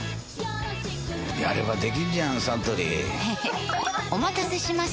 やればできんじゃんサントリーへへっお待たせしました！